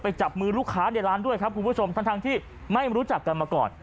จับมือลูกค้าในร้านด้วยครับคุณผู้ชมทั้งที่ไม่รู้จักกันมาก่อน